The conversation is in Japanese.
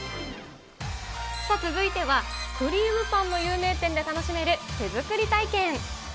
続いては、クリームパンの有名店で楽しめる手作り体験。